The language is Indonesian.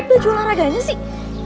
baju laraganya sih